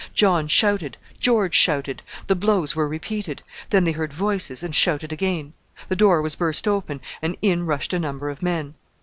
John shouted; George shouted; the blows were repeated; then they heard voices and shouted again. The door was burst open and in rushed a number of men.